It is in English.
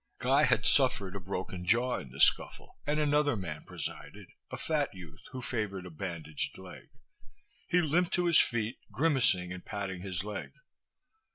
Guy had suffered a broken jaw in the scuffle and another man presided, a fat youth who favored a bandaged leg. He limped to his feet, grimacing and patting his leg.